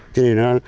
cho nên nó